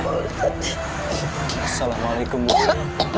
assalamualaikum bu wuri